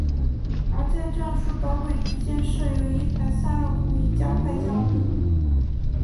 而在战术导轨之间设有一排散热孔以加快降温。